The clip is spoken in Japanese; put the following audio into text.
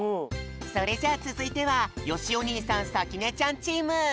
それじゃあつづいてはよしお兄さんさきねちゃんチーム。